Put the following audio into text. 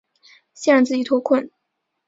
先让自己脱困